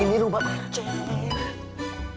ini rumah aceh ya